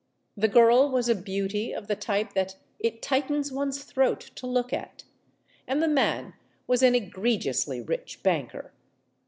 The girl was a beauty of the type that it tightens one's throat to look at. And the man was an egregiously rich banker.